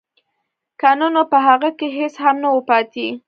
که نه نو په هغه کې هېڅ هم نه وو پاتې